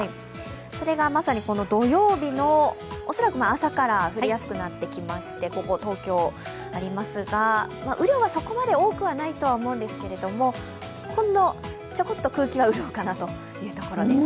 それがまさに土曜日の恐らく朝から降りやすくなってきまして東京、ありますが、雨量はそこまで多くはないと思うんですけど、ほんのちょこっと空気は潤うかなというところです。